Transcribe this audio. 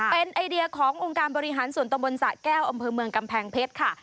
เป็นไอเดียขององค์การบริหารส่วนตะบนสะแก้วอำเภอเมืองกำแพงเพชรค่ะ